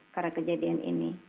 karena kejadian ini